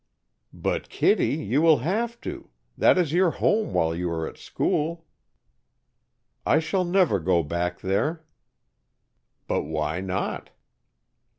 "But, Kittie, you will have to! That is your home while you are at school." "I shall never go back there." "But why not?"